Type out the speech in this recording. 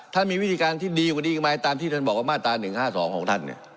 ท่านมีวิธีการที่ดีกว่าดีก็ไหมตามที่ท่านบอกว่ามาตรา๑๕๒ของท่านเนี่ย